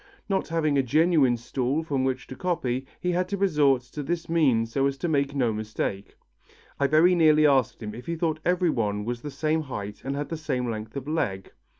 Not having a genuine stool from which to copy, he had resorted to this means so as to make no mistake. I very nearly asked him if he thought everyone was the same height and had the same length of leg.